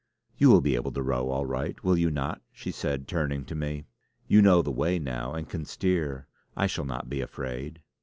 "You will be able to row all right, will you not?" she said, turning to me. "You know the way now and can steer. I shall not be afraid!"